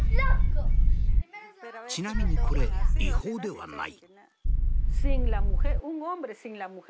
ちなみにこれ違法ではない。